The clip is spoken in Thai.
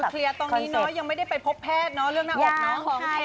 เคลียร์ตรงนี้เนาะยังไม่ได้ไปพบแพทย์เนอะเรื่องหน้าอกน้อง